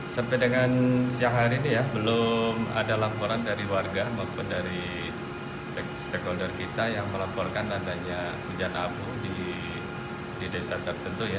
sampai dengan siang hari ini ya belum ada laporan dari warga maupun dari stakeholder kita yang melaporkan adanya hujan abu di desa tertentu